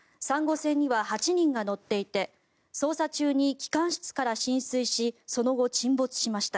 船には８人が乗っていて捜査中に機関室から浸水しその後、沈没しました。